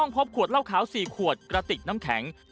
พบขวดเหล้าขาว๔ขวดกระติกน้ำแข็ง